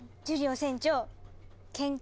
船長研究